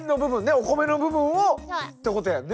お米の部分をってことやんね。